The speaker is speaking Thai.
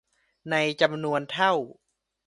ในจำนวนเท่า